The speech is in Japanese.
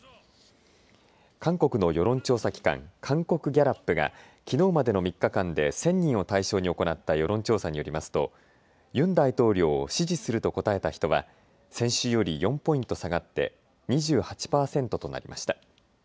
韓国の世論調査機関、韓国ギャラップがきのうまでの３日間で１０００人を対象に行った世論調査によりますとユン大統領を支持すると答えた人は先週より４ポイント下がって２８％となりました。